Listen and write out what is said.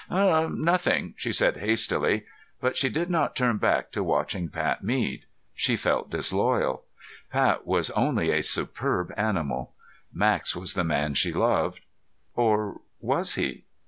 "Nothing," she said hastily, but she did not turn back to watching Pat Mead. She felt disloyal. Pat was only a superb animal. Max was the man she loved. Or was he?